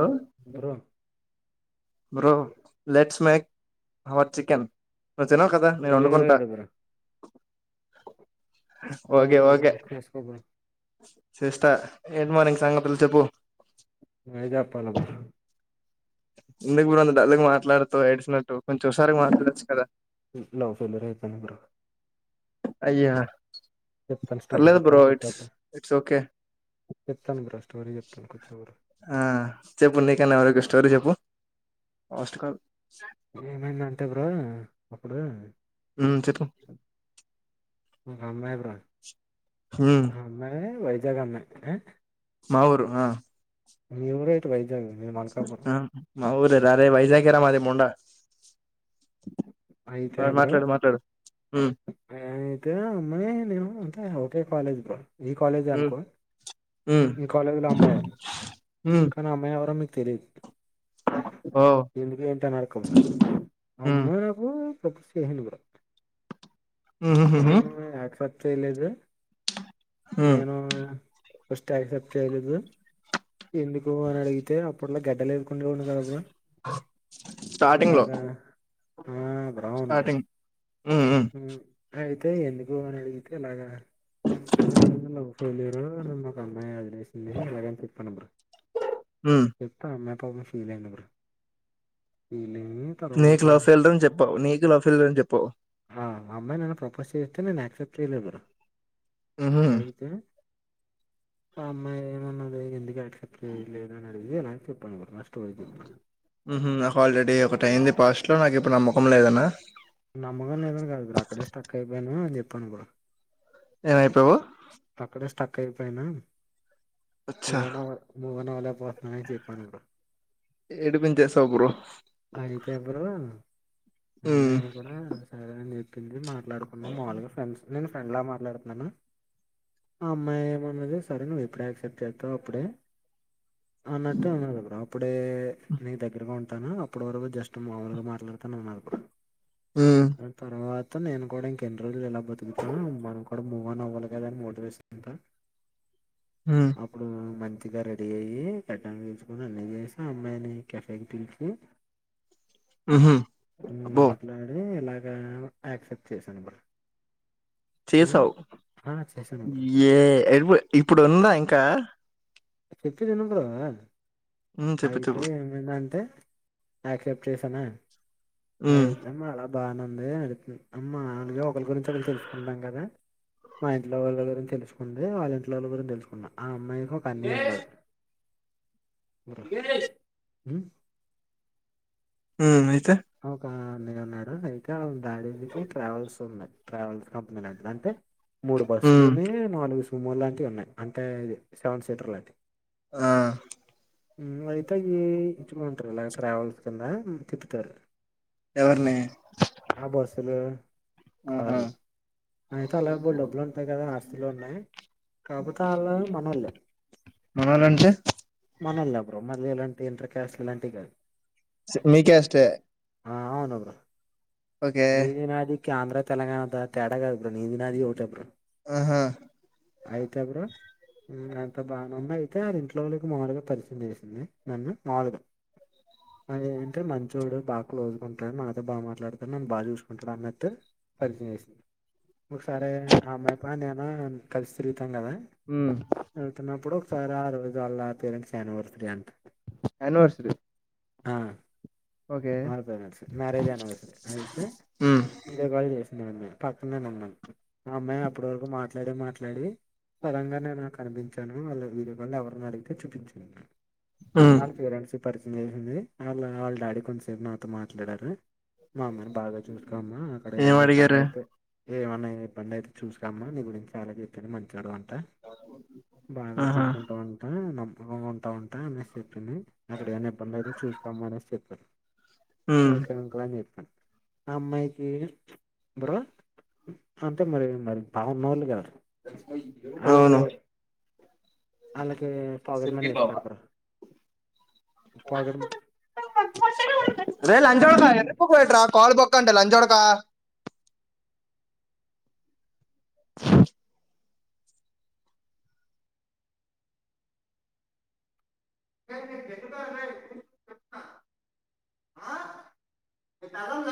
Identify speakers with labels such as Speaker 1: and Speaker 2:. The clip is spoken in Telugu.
Speaker 1: ఆ
Speaker 2: bro
Speaker 1: bro let's make our chicken నువ్ తినవు కదా నేను
Speaker 2: తెలుగులో
Speaker 1: వండుకుంటా
Speaker 2: ఏడు బ్రో ఆ,
Speaker 1: ఓకే ఓకే
Speaker 2: బ్రో చేసుకో బ్రో
Speaker 1: శ్రేష్ఠ ఏంటి మరింక సంగతులు చెప్పు
Speaker 2: వైదాపాలమా
Speaker 1: ఎందుకు బ్రో అంత డల్లుగా మాట్లాడుతవ్ ఎడ్షినట్టు కొంచెం హుషారుగా మాట్లాడచ్చు కదా
Speaker 2: లవ్ ఫెయిల్యూర్ అయిపోయింది బ్రో
Speaker 1: అయ్యా
Speaker 2: చెప్తాను స్టోరీ
Speaker 1: పర్లేదు బ్రో
Speaker 2: చెప్తాను కూర్చో
Speaker 1: ఇట్స్ ఇట్స్ ఓకే
Speaker 2: చెప్తాను బ్రో స్టోరీ చెప్తాను కూర్చో బ్రో
Speaker 1: ఆ చెప్పు నీకన్న ఎవరికి స్టోరీ చెప్పు ఆస్ట కల్
Speaker 2: ఏమైందంటే బ్రో అప్పుడు
Speaker 1: హ్మ్ చెప్పు
Speaker 2: ఒక అమ్మాయి బ్రో
Speaker 1: హ్మ్
Speaker 2: జగన్నే
Speaker 1: మా ఊరు ఆ
Speaker 2: మీ ఊరే
Speaker 1: ఆ మా ఊరేర అరే వైజాగే రా ముండా ఆ,
Speaker 2: అయితే బ్రో
Speaker 1: మాట్లాడు మాట్లాడు ఉమ్
Speaker 2: అయితే అమ్మాయి నేను అంతా ఒకే కాలేజ్ బ్రో ఈ కాలేజె
Speaker 1: ఉమ్
Speaker 2: అనుకో
Speaker 1: ఉమ్
Speaker 2: మీ కాలేజీలో అమ్మాయే
Speaker 1: ఉమ్
Speaker 2: కానీ అమ్మాయి ఎవరో మీకు తెలీద్
Speaker 1: ఓ
Speaker 2: ఎందుకు ఏంటి అని అడక్కు
Speaker 1: ఉమ్
Speaker 2: అమ్మాయిలకు [unintelligible] చేసింటిమి కదా
Speaker 1: ఉహుహుహు ఉమ్
Speaker 2: నువ్వు ఆక్సిప్టు తెలీదా
Speaker 1: ఉమ్, ఉమ్.
Speaker 2: నేను ఫస్ట్ ఆక్సెప్ట్ చేయలేదు ఎందుకు అని అడిగితే ఇప్పుట్లో గడ్డలు ఎరుకుండెవోన్ని కదా బ్రో
Speaker 1: స్టార్టింగ్ లో
Speaker 2: ఇలాగా ఆ బ్ర అవును బ్రో
Speaker 1: స్టార్టింగ్ ఉమ్ ఉమ్
Speaker 2: హ్మ్ అయితే ఎందుకు అని అడిగితే అలాగా తెలిరు నమ్మకం పాయ అనేసింది ఎలాగైనా తిప్పను బ్రో
Speaker 1: హ్మ్.
Speaker 2: [unintelligible] పగ ఫీల్ అయింది బ్రో అయ్యి
Speaker 1: నీకు
Speaker 2: తర్వాత
Speaker 1: లవ్ ఫెయిలూర అని చెప్పావ్ నీకు ఫెయిలూర్ అని చెప్పావు
Speaker 2: ఆ అమ్మాయి నా ప్రపోజ్ చేస్తే నేను యాక్సెప్ట్ చేయ్ లేదు
Speaker 1: హుహు.
Speaker 2: అయితే ఆ అమ్మాయి ఏమన్నది ఎందుక చేయలేదు ఇదే నా [unintelligible]
Speaker 1: హ్మ్ హు నాకు ఆల్రెడీ ఒకటి ఐయ్యింది పాస్ట్ లో నాకు ఇప్పుడు నమ్మకం లేదనా
Speaker 2: నమ్మగం లేదని కాదు అక్కడే స్టక్ అయిపోయాను అని చెప్ చెప్పను కూడా
Speaker 1: ఏమైపోయావు
Speaker 2: అక్కడేస్ టక్ అయిపోయినా
Speaker 1: అచ్చా!
Speaker 2: మువ్వన వద్ మూవ్ నోరు నొప్పిబుడుతుంది చెప్పను బ్రో
Speaker 1: ఏడిపించెసావ్ బ్రో
Speaker 2: అయితే బ్రో ఆ
Speaker 1: హ్మ్.
Speaker 2: అమ్మాయి ని కూడా సరే అని చెప్ సినిమా ట్లాడుకున్నా మాములుగా ఫ్రెండ్స్ నేను ఫ్రెండ్లా మాట్లాడుతున్నాను ఆ అమ్మాయి ఎం అన్నది సరే నువ్వు ఎప్పుడూ యాక్సెప్ట్ చేత్తే అప్పుడే అన్నట్టు అనల్ల బ్రో ప్పుడే నీకు దగ్గరగా ఉంటానో అప్పుడు వరకు జస్ట్ మామూలుగా మాట్లాడుతాను అన్నారు బ్రో
Speaker 1: హ్మ్.
Speaker 2: ఆ తర్వాత్ తు నేను కూడ ఇంక ఎన్ని రోజులు ఇలా బతుకుతాం మనం కూడ మువ్ ఆన్ అవ్వాల ఏదన్నా మోటివేషన్ ఇంత
Speaker 1: హ్మ్.
Speaker 2: అప్పుడూ మం గా రెడీ అయ్యి గడ్డం గీయించుకొని అన్ని చేయించుకొని అమ్మాయిని కెఫేకి పిలిచి
Speaker 1: హుహు.
Speaker 2: హుమ్
Speaker 1: అబ్బో!
Speaker 2: మాట్లాడి ఇలా నన్ను ఆక్సెప్ట్ చేశాను ఆ
Speaker 1: చేసావ్
Speaker 2: ఆ చేశాను బ్రో
Speaker 1: ఏ ఏవ్ ఇప్పుడు ఉందా ఇంకా
Speaker 2: చెప్పేది ఇనుండవా
Speaker 1: హ్మ్. చెప్పు
Speaker 2: అయితే
Speaker 1: చెప్పు.
Speaker 2: ఏమైందంటే అక్సెప్ట్ చేసనా
Speaker 1: హ్మ్.
Speaker 2: అయిదమ్మ అలా బానుంది అ అమ్మా అనగ ఒకలి గురించి ఒకలు తెలుసుకుంటాం గా మా ఇంట్లో వాళ్ళ గురించి తెలుసుకుంది వాళ్ళ ఇంట్లో వాళ్ళ గురించి తెలుసుకున్న ఆ అమ్మాయి ఒక అన్నయ్ ఉన్నాడు మ్
Speaker 1: హ్మ్. అయితే?
Speaker 2: ఒక అన్నయ్య ఉన్నాడు ఇంకా వాల డాడి కి ట్రావెల్స్ ఉంది ట్రావెల్స్ కంపెనీ లాంటిది అంటే మూడు
Speaker 1: హ్మ్.
Speaker 2: బస్సులున్నాయి నాలుగు [unintelligible] సుమో లాంటివి ఉన్నాయి అంటే సెవెన్ సీటర్లు లాంటి
Speaker 1: ఆ!
Speaker 2: మ్మ్ అయితే ఏ [inaudible] ట్రావెల్స్ తుందా తిప్పుతారు
Speaker 1: ఎవరిని?
Speaker 2: ఆ బస్సులు
Speaker 1: ఆహా!
Speaker 2: కార్లూ నేనైతే అలా బోల్డ్ డబ్బులుంటాయి కదా ఆస్తిలు ఉన్నాయి కాకపోతే వాళ్ళు మనోళ్లే
Speaker 1: మనోళ్ళంటే?
Speaker 2: మనోళ్లే బ్రో మళ్ళీ ఇలాంన్ ఇంటర్కాస్ట్ ఇలాంటివి కాదు
Speaker 1: స్ మీ క్యాస్టే
Speaker 2: ఆ అవును బ్రో
Speaker 1: ఓకే.
Speaker 2: నీది నాది క్యాంధ్ర తెలంగాణ అంత తేడా గాదు బ్రో నీది నాది ఓట్ తప్పురా
Speaker 1: ఆహా!
Speaker 2: అయితే బ్రో హ్మ్ [unintelligible] అంత బానే ఉంది అయితే అది ఇంట్లో వాళ్ళకి మాములుగా పరిచయం చేసింది నన్ను మాములుగా అది ఏంట్ మంచోడు బాగా క్లోజ్గా ఉంటాడు మనతో బాగా మాట్లాడతాడు నన్ను బాగా చూసుకుంటాడు అన్నట్టే పరిచయం చేసింది ఒ సరే ఆ అమ్మాయిపా నేనా కలిసి తిరుగుతాం కదా
Speaker 1: హ్మ్.
Speaker 2: వెళ్తున్నప్పుడు ఒకసారి ఆ రోజు వాళ్ళ పేరెంట్స్ యానివర్సరీ అంట
Speaker 1: యానివర్సరీ
Speaker 2: ఆ
Speaker 1: ఓకే.
Speaker 2: వాళ్ళ పేరెంట్స్ మ్యారేజ్ యానివర్సరీ అయితే
Speaker 1: హ్మ్.
Speaker 2: వీడియో కాల్ చేసింది [inaudible] పక్కనేనున్నాను మా అమ్మాయి అప్పటి వరకు మాట్లాడి మాట్లాడి సడన్ గా నేను కనిపించాను వాళ్ళ వీడియో కాల్ ఎవరిని అడిగితే చూపించింది
Speaker 1: హ్మ్.
Speaker 2: వాళ్ళ పేరెంట్స్కి పరిచ చయం చేసింది వాళ్ళ వాళ్ళ డాడీ కొంస్ సేపు నాతో మాట్లాడారు మా అమ్మని బాగా చూసుకో అమ్మా అక్కడ ఏమన్నా ఇబ్బంది
Speaker 1: ఏమడిగారు?
Speaker 2: అయితే ఏమన్నా ఏ ఇబ్బంది అయితే చూస్కో అమ్మ నీ గురించి చాలా చెప్పాడు మంచోడు అని ట బాగా
Speaker 1: ఆహా
Speaker 2: చూసుకుంటవంట మం బాగుంటవంట అనేసి చెప్పింది అక్కడ ఏమైనా ఇబ్బంది అయితే చూసుకోమ్మ అనేసి చెప్పారు
Speaker 1: ఉమ్
Speaker 2: ఓకే అంకుల్ అని చెప్పాను ఆ అమ్మాయికి బ్రో అంటే మరి మరి బాగున్నోలు కదా వాళ్ళకి
Speaker 1: అవును
Speaker 2: వాళ్ళకి పాకెట్ మనీ ఇస్తారు బ్రో పాకెట్ మ
Speaker 1: [unintelligible] కాల్ బొక్క అంటే జోడకా
Speaker 2: [inaudible]